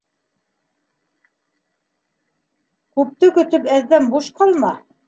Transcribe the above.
Күпте көтөп, әҙҙән буш ҡалма.